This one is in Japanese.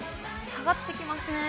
下がってきますね。